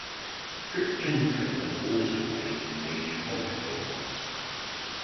Skripchenko has also played in major poker tournaments.